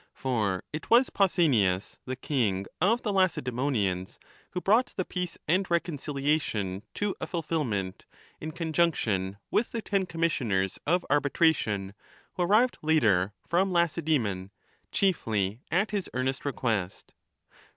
For it was Pausanias, the king of the Lacedae 4 monians, who brought the peace and reconciliation to a fulfilment, in conjunction with the ten l commissioners of arbitration who arrived later from Lacedaemon, at his own earnest request.